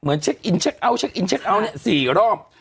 เหมือนเช็คอินเช็คเอาท์เช็คอินเช็คเอาท์เนี้ยสี่รอบ